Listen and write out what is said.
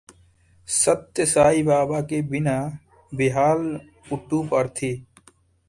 सत्य साईं बाबा के बिना बेहाल पुट्टपर्थी